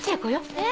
えっ？